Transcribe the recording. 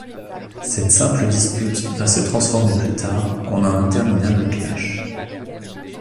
Cette simple dispute va se transformer plus tard en un interminable clash.